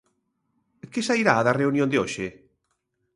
Que sairá da reunión de hoxe?